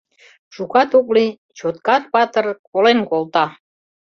Шукат ок лий — Чоткар Патыр колен колта.